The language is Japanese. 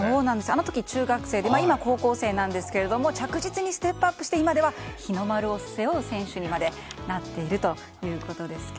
あの時は中学生で今、高校生なんですけれども着実にステップアップして今では日の丸を背負う選手にまでなっているということですが。